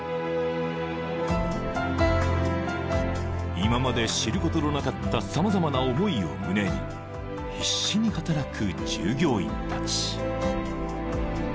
［今まで知ることのなかった様々な思いを胸に必死に働く従業員たち］